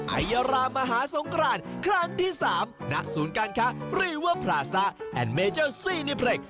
ไอรามหาสงกรานครั้งที่สามนักศูนย์การค่ะเรียกว่าพลาซาแอนด์เมจอร์ซีนิเพล็ก